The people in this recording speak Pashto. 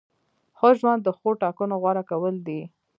ښه ژوند د ښو ټاکنو غوره کول دي.